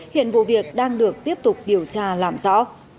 hiện vụ việc đang được tiếp tục điều tra làm rõ